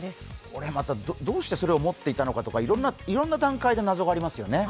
これまたどうしてそれを持っていたのかとかいろんな段階で謎がありますよね。